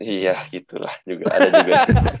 iya gitu lah juga ada juga